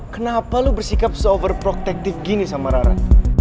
kenapa lo bersikap so overprotective gini sama rara